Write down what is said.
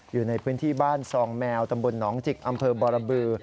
อยู่ในพื้นที่บ้านซองแมวตำบลหนองจิกอำเภอบรบือ